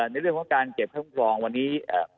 ในเรื่องของการเก็บค่าคุ้มครองวันนี้